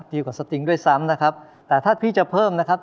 ดีกว่าสติงด้วยซ้ำนะครับแต่ถ้าพี่จะเพิ่มนะครับ